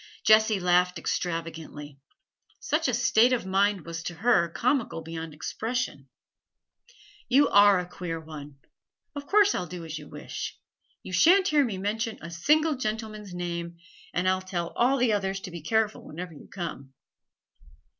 Jessie laughed extravagantly; such a state of mind was to her comical beyond expression. 'You are a queer one! Of course I'll do as you wish; you shan't hear me mention a single gentleman's name, and I'll tell all the others to be careful whenever you come.'